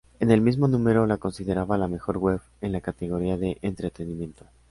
En el mismo número, la consideraba la mejor web en la categoría de entretenimiento.